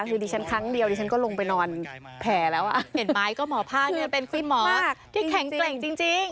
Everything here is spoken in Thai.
คือดิฉันครั้งเดียวดิฉันก็ลงไปนอนแผลแล้วเห็นไหมก็หมอภาคเนี่ยเป็นคุณหมอที่แข็งแกร่งจริง